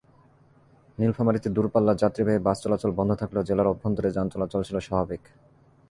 নীলফামারীতে দূরপাল্লার যাত্রীবাহী বাস চলাচল বন্ধ থাকলেও জেলার অভ্যন্তরে যান চলাচল ছিল স্বাভাবিক।